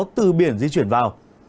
từ biển di chuyển vào